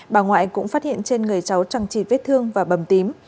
bà ngoại cũng phát hiện trên người cháu trăng trịt thương và bầm tím